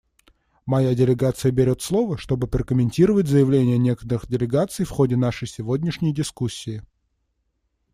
Моя делегация берет слово, чтобы прокомментировать заявления некоторых делегаций в ходе нашей сегодняшней дискуссии.